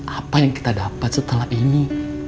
apa yang kita dapat setelah ini